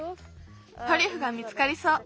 トリュフが見つかりそう。